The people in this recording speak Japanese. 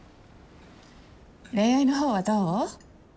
恋愛の方はどう？